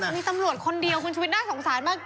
มีตำรวจคนเดียวคุณชุวิตน่าสงสารมาก